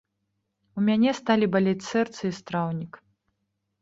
У мяне сталі балець сэрца і страўнік.